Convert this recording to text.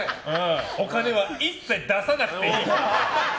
お金は一切出さなくていい！